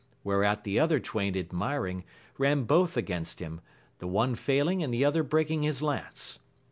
Whereat the other twain admiring, ran both against him, the one failing and the other breaking his lance.